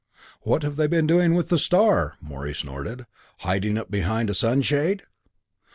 "What have they been doing with the star?" Morey snorted. "Hiding it behind a sun shade?"